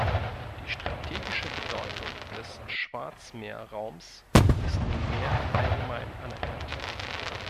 Die strategische Bedeutung des Schwarzmeerraums ist nunmehr allgemein anerkannt.